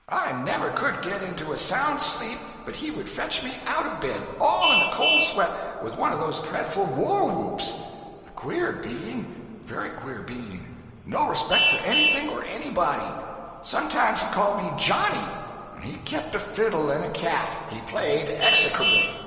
I never could get into a sound sleep but he would fetch me out of bed, all in a cold sweat, with one of those dreadful war whoops. A queer being very queer being; no respect for anything or anybody. Sometimes he called me "Johnny." And he kept a fiddle, and a cat. He played execrably.